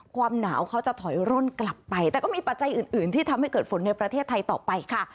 ความหนาวเขาจะถอยร่นกลับไปแต่ก็มีปัจจัยอื่นที่ทำให้เกิดฝนในประเทศไทยต่อไปค่ะ